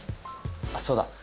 あっそうだ！